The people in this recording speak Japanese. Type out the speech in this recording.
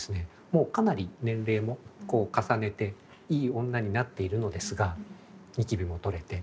もうかなり年齢も重ねていい女になっているのですがニキビも取れて。